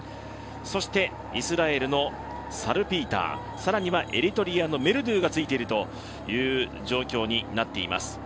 そしてイスラエルのサルピーターエリトリアのメルドゥがついているという状況になっています。